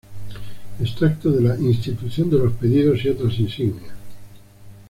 Extracto de la "Institución de los pedidos y otras insignias", ed.